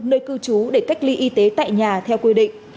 nơi cư trú để cách ly y tế tại nhà theo quy định